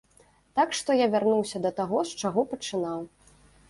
Так што я вярнуўся да таго, з чаго пачынаў.